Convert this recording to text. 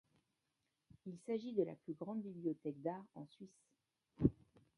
Il s'agit de la plus grande bibliothèque d’art en Suisse.